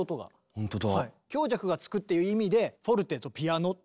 ほんとだ。